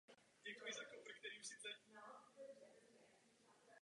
Další šok znamenal krok Srbska.